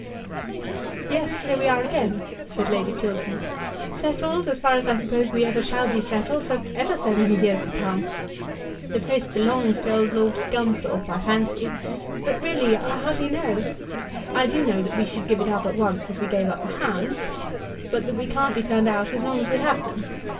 "Yes, here we are again," said Lady Chiltern, "settled, as far as I suppose we ever shall be settled, for ever so many years to come. The place belongs to old Lord Gunthorpe, I fancy, but really I hardly know. I do know that we should give it up at once if we gave up the hounds, and that we can't be turned out as long as we have them.